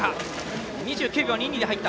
２９秒２２で入った。